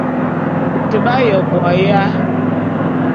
Bôt b'aye bo aya?